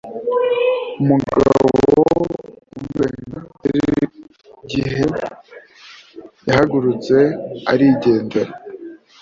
Umugabo umeze nka SeIgihe yarahagurutse arigendera